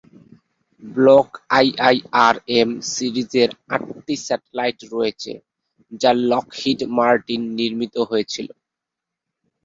Block IIR M সিরিজের আটটি satellite রয়েছে, যা লকহিড মার্টিন নির্মিত হয়েছিল।